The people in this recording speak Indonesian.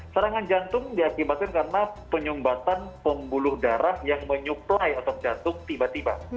serangan jantung diakibatkan karena penyumbatan pembuluh darah yang menyuplai otot jantung tiba tiba